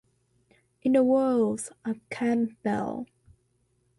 In the words of Campbell.